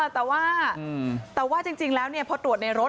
แต่ว่าจริงแล้วพอตรวจในรถ